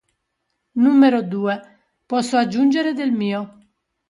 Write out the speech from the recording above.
Numero due, posso aggiungere del mio".